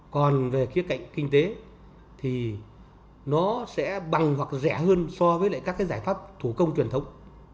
còn về khía cạnh kinh tế thì nó sẽ bằng hoặc rẻ hơn so với các cái giải pháp thủ công truyền thống